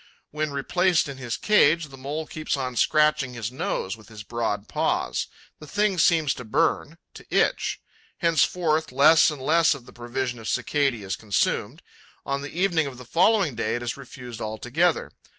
When replaced in his cage, the Mole keeps on scratching his nose with his broad paws. The thing seems to burn, to itch. Henceforth, less and less of the provision of Cicadae is consumed; on the evening of the following day, it is refused altogether.